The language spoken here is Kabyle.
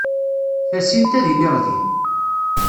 Tasint ad iliɣ din.